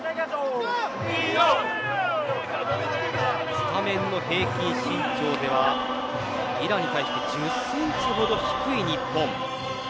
スタメンの平均身長ではイランに対して１０センチほど低い日本。